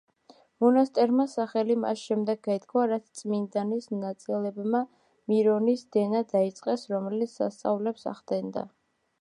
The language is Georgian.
მონასტერმა სახელი მას შემდეგ გაითქვა, რაც წმინდანის ნაწილებმა მირონის დენა დაიწყეს, რომელიც სასწაულებს ახდენდა.